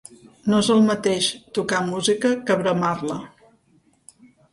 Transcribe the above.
No és el mateix tocar música que bramar-la.